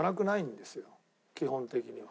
基本的には。